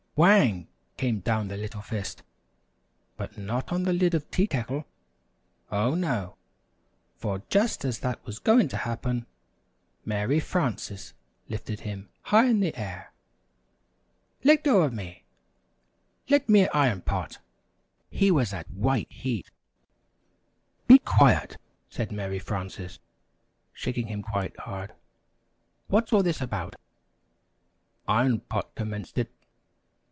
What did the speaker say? Wang! came down the little fist, but not on the lid of Tea Kettle. Oh, no; for just as that was going to happen, Mary Frances lifted him high in the air. "Let go of me! Let me at Iron Pot!" He was at white heat. "Be quiet!" said Mary Frances, shaking him quite hard. "What's all this about?" "Iron Pot commenced it!"